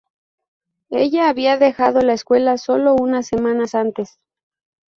Ella había dejado la escuela sólo unas semanas antes.